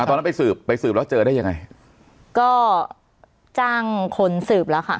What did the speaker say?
ตอนนั้นไปสืบไปสืบแล้วเจอได้ยังไงก็จ้างคนสืบแล้วค่ะ